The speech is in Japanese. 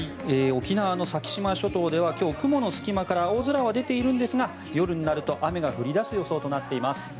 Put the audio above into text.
沖縄の先島諸島では今日は雲の隙間から青空は出ているんですが夜になると雨が降り出す予想となっています。